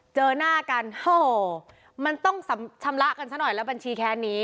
เจอหน้ากันโอ้โหมันต้องชำระกันซะหน่อยแล้วบัญชีแค้นนี้